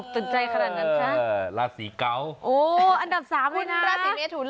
ตื่นใจขนาดนั้นค่ะอ่าราศีเก๋าโอ้อันดับสามไงนะราศีเมทุนเหรอ